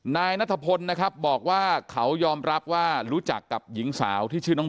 นายนัทพลนะครับบอกว่าเขายอมรับว่ารู้จักกับหญิงสาวที่ชื่อน้อง